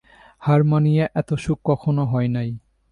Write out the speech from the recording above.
হার মানিয়া এতসুখ কখনো হয় নাই।